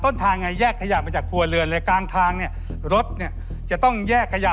ต้นทางไงแยกขยะมาจากตัวเรือนเลยกลางทางรถจะต้องแยกขยะ